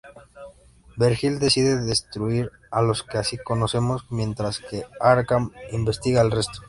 Vergil decide destruir a los que sí conocemos, mientras que Arkham investiga el resto.